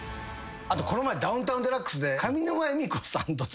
この前『ダウンタウンＤＸ』で。